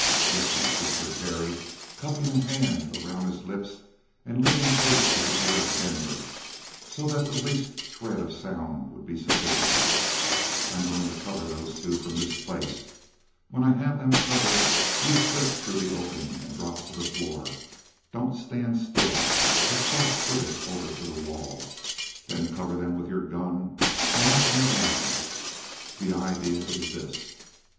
"Listen," whispered Terry, cupping a hand around his lips and leaning close to the ear of Denver so that the least thread of sound would be sufficient. "I'm going to cover those two from this place. When I have them covered, you slip through the opening and drop to the floor. Don't stand still, but softfoot it over to the wall. Then cover them with your gun while I come down. The idea is this.